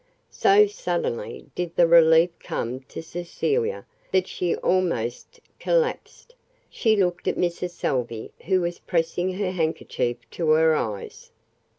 So suddenly did the relief come to Cecilia that she almost collapsed. She looked at Mrs. Salvey, who was pressing her handkerchief to her eyes.